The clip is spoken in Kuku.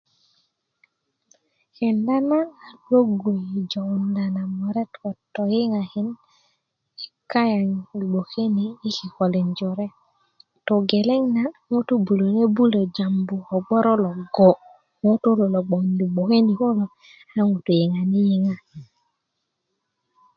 kenda na a lögu yi jonda na toyiŋakin kayaŋ yi gboke ni yi kikolin jore to geleŋ na ŋutulu lo bulöni bulö jambu ko gboro lo logo ko ŋutulu lo gboŋ yi gboke ni kulo a ŋutu' yiŋani yiŋa